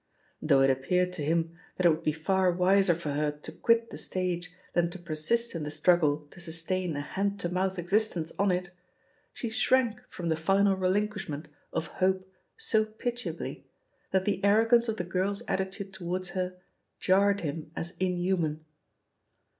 Though it appeared to him that it would be far wiser for her to quit the stage than to persist in the struggle to sustain a hand to mouth existence on it, she shrank from the final relinquishment of hope so pitiably, that the arrogance of the girl's attitude towards her jarred him as inhuman.